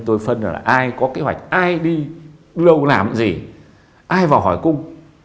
tôi phân là ai có kế hoạch ai đi đâu làm gì ai vào hỏi cung